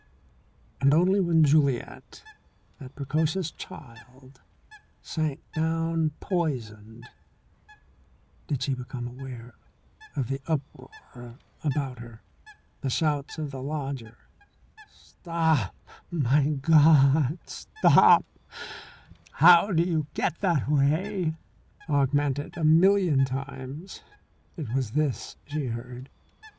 And only when Juliet, that precocious child, sank down poisoned did she become aware of the uproar about her. The shouts of the lodger, "Stop my God, stop! How do you get that way?" augmented a million times. It was this she heard.